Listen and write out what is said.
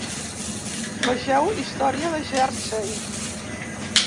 Vegeu Història de Jersey.